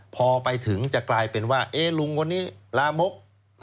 พอไปถึงจะกลายเป็นว่าลุงคนนี้ลามก